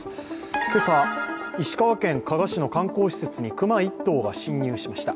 今朝、石川県加賀市の観光施設に熊１頭が侵入しました。